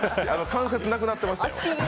関節なくなってましたよ。